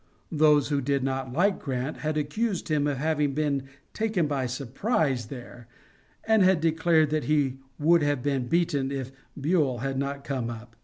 Those who did not like Grant had accused him of having been taken by surprise there, and had declared that he would have been beaten if Buell had not come up.